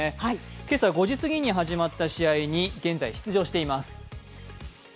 今朝５時すぎに始まった試合に現在出場しています。